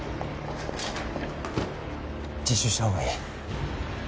自首したほうがいい。